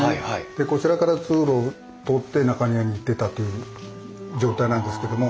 でこちらから通路を通って中庭に行ってたという状態なんですけども。